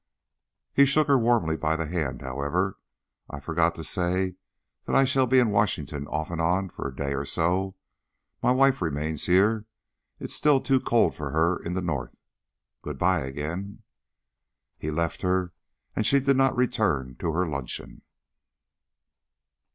He shook her warmly by the hand, however. "I forgot to say that I shall be in Washington off and on for a day or so. My wife remains here. It is still too cold for her in the North. Good bye again." He left her, and she did not return to her luncheon.